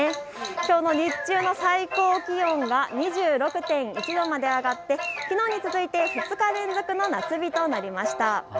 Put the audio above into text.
きょうの日中の最高気温は２６．１度まで上がってきのうに続いて２日連続の夏日となりました。